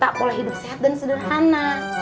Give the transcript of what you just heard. tak pola hidup sehat dan sederhana